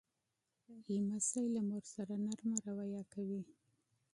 لمسی له مور سره نرمه رویه کوي.